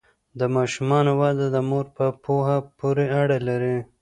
د ماشوم وده د مور په پوهه پورې اړه لري۔